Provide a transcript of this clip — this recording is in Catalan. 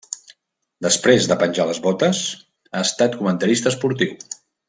Després de penjar les botes, ha estat comentarista esportiu.